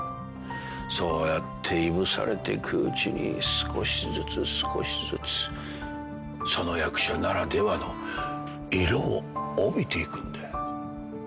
そうやっていぶされていくうちに少しずつ少しずつその役者ならではの色を帯びていくんだよ。